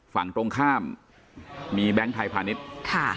ฝั่งตรงข้ามมีแบงค์ไทยพาณิชย์ค่ะ